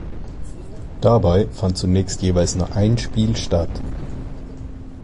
Dabei fand zunächst jeweils nur ein Spiel statt.